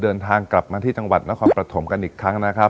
เดินทางกลับมาที่จังหวัดนครปฐมกันอีกครั้งนะครับ